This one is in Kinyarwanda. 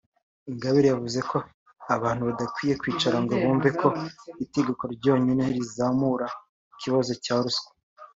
Ingabire yavuze ko abantu badakwiye kwicara ngo bumve ko itegeko ryonyine rizakemura ikibazo cya ruswa